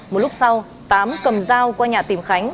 một lúc sau tám cầm dao qua nhà tìm khánh